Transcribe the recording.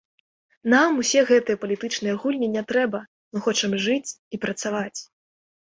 Нам усе гэтыя палітычныя гульні не трэба, мы хочам жыць і працаваць.